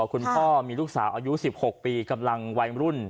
คุณพอมีลูกสาว๑๖ปีอายุกำลังวัยรุ่น